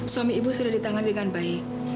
suami ibu sudah ditangani dengan baik